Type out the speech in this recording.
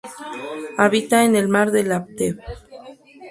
Habita en el Mar de Láptev.